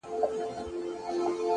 o د سترگو تور مي د ايستو لائق دي؛